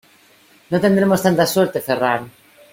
¡No tendremos tanta suerte, Ferran!